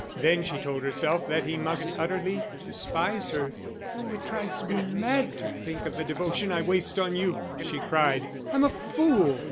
Then she told herself that he must utterly despise her. "Oh, it drives me mad to think of the devotion I waste on you," she cried. "I'm a fool!